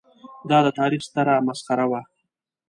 دا د تاریخ ستره مسخره وه.